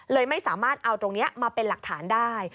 ไม่สามารถเอาตรงนี้มาเป็นหลักฐานได้